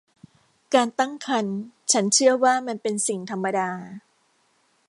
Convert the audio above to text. การตั้งครรภ์ฉันเชื่อว่ามันเป็นสิ่งธรรมดา